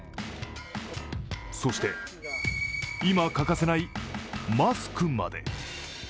そして今、欠かせないマスクまで。